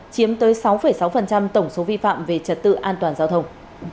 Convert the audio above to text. chiếm tới sáu sáu tổng số vi phạm về trật tự an toàn giao thông